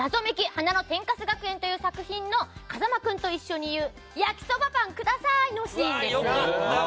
花の天カス学園」という作品の風間君と一緒に言う焼きそばパンください！のシーン。